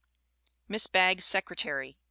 Miss Bagg's Secretary, 1892.